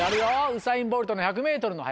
ウサイン・ボルトの１００ｍの速さね。